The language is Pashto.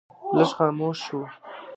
لږ خاموشه شو.